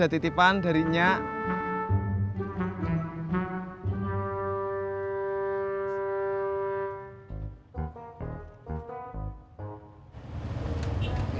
jadi lu warna pakai gimana bro